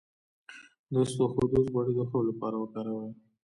د اسطوخودوس غوړي د خوب لپاره وکاروئ